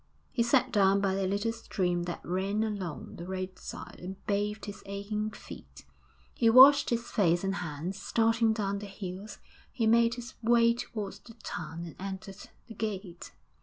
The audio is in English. He sat down by a little stream that ran along the roadside, and bathed his aching feet; he washed his face and hands; starting down the hill, he made his way towards the town and entered the gate.